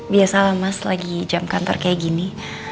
biasalah mas lagi jam kantor kayak gini